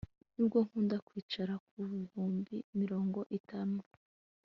nubwo nkunda kwicara ku bihumbi mirongo itanu